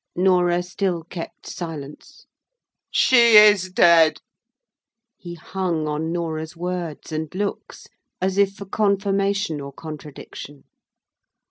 Norah still kept silence. "She is dead!" He hung on Norah's words and looks, as if for confirmation or contradiction.